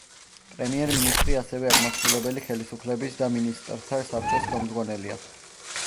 პრემიერ-მინისტრი ასევე აღმასრულებელი ხელისუფლების და მინისტრთა საბჭოს ხელმძღვანელია.